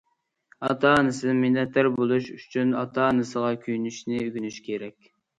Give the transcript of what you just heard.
ئاتا- ئانىسىدىن مىننەتدار بولۇش ئۈچۈن، ئاتا- ئانىسىغا كۆيۈنۈشنى ئۆگىنىش كېرەك.